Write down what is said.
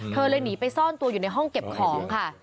เธอเลยหนีไปซ่อนตัวอยู่ในห้องเก็บของค่ะ